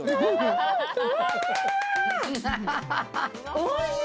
おいしい！